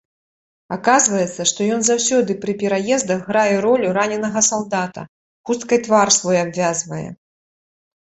Аказваецца, што ён заўсёды пры пераездах грае ролю раненага салдата, хусткай твар свой абвязвае.